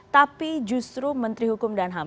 tapi justru menteri hukum dan ham